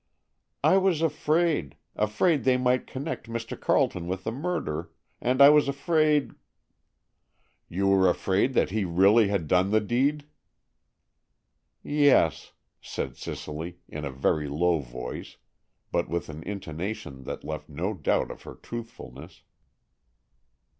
"I was afraid—afraid they might connect Mr. Carleton with the murder, and I was afraid——" "You were afraid that he really had done the deed?" "Yes," said Cicely in a very low voice, but with an intonation that left no doubt of her truthfulness.